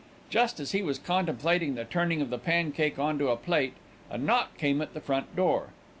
Just as he was contemplating the turning of the pancake on to a plate, a knock came at the front door.